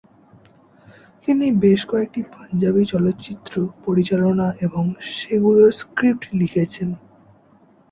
তিনি বেশ কয়েকটি পাঞ্জাবি চলচ্চিত্র পরিচালনা এবং সেগুলোর স্ক্রিপ্ট লিখেছেন।